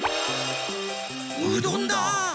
うどんだ！